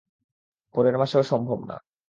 পরের মাসেও সম্ভব না।